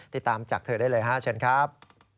ติดตามจากเธอได้เลยฮะเชิญครับ